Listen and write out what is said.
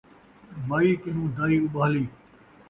مئی کنوں دائی اُٻاہلی